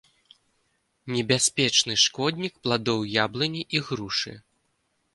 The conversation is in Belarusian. Небяспечны шкоднік пладоў яблыні і грушы.